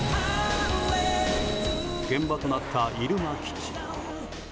現場となった入間基地。